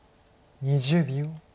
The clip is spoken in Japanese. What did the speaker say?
２０秒。